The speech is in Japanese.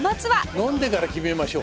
飲んでから決めましょう。